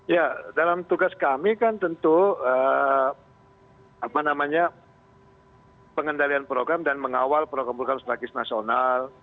ya dalam tugas kami kan tentu pengendalian program dan mengawal program program strategis nasional